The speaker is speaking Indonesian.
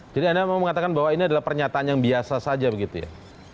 jadi anda mau mengatakan bahwa ini adalah pernyataan yang biasa saja begitu ya